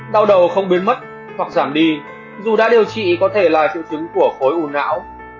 đau đầu không biến mất hoặc giảm đi dù đã điều trị có thể là triệu chứng của khối u não